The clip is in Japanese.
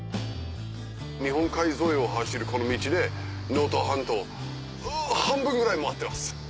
日本海沿いを走るこの道で能登半島半分ぐらい回ってます。